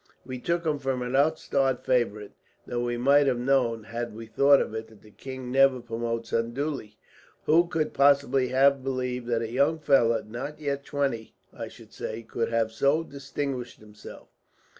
We took him for an upstart favourite; though we might have known, had we thought of it, that the king never promotes unduly. Who could possibly have believed that a young fellow, not yet twenty, I should say, could have so distinguished himself?